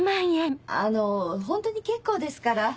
あのホントに結構ですから。